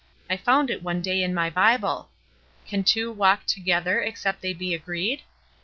I found it one day in my Bible: 'Can two walk together, except they be agreed?'